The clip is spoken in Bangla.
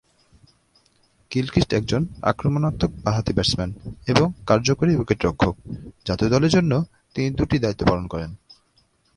গিলক্রিস্ট একজন আক্রমণাত্মক বাঁহাতি ব্যাটসম্যান এবং কার্যকর উইকেট-রক্ষক, জাতীয় দলের জন্য তিনি দু'টি দায়িত্ব পালন করেন।